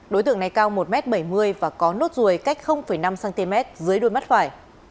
đối tượng này cao một m bảy mươi và có nốt ruồi cách năm cm dưới đuôi mắt phải